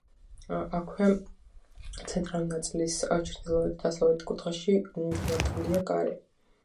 აქვე, ცენტრალური ნაწილის ჩრდილო-დასავლეთ კუთხეში, გამართულია კარი.